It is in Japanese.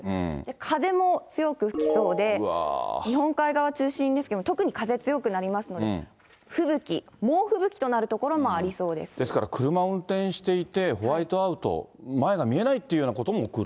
風も強く吹きそうで、日本海側中心ですけども、特に風強くなりますので、吹雪、ですから車を運転していて、ホワイトアウト、前が見えないというようなことも起こる？